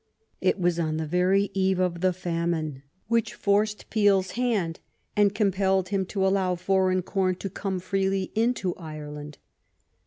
It was on the very eve of the famine which forced Peel's hand and compelled him to allow foreign corn to come freely into Ireland.